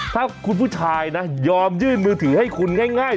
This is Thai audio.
ถ้าคุณผู้ชายนะยอมยื่นมือถือให้คุณง่าย